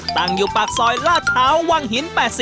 ตั้งอยู่ปากซอยลาดพร้าววังหิน๘๐